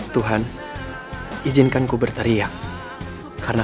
tapi aku juga semuanyasta